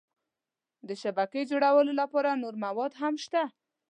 د شبکې جوړولو لپاره نور مواد هم شته.